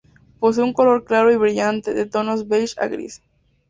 Posee un color claro y brillante, de tonos beige a gris.